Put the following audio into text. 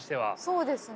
そうですね。